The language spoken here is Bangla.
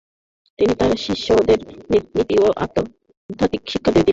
তিনি তার শিষ্যদের নীতি ও আধ্যাত্মিক শিক্ষা দিতেন।